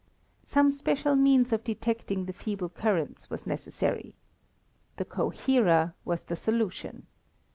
Some special means of detecting the feeble currents was necessary. The coherer was the solution.